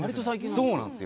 そうなんすよ。